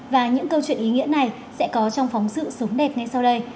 và những câu chuyện ý nghĩa này sẽ có trong phóng sự sống đẹp ngay sau đây